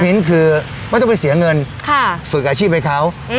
หินคือไม่ต้องไปเสียเงินฝึกอาชีพให้เขา